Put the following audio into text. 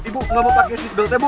ibu ibu gak mau pakai seatbeltnya bu